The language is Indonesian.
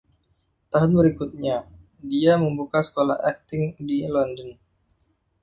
Tahun berikutnya, dia membuka sekolah akting di London.